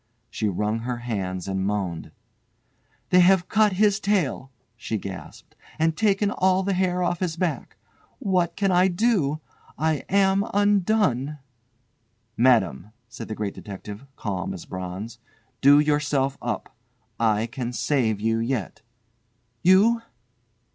She wrung her hands and moaned. "They have cut his tail," she gasped, "and taken all the hair off his back. What can I do? I am undone!!" "Madame," said the Great Detective, calm as bronze, "do yourself up. I can save you yet." "You!"